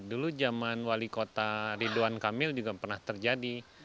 dulu zaman wali kota ridwan kamil juga pernah terjadi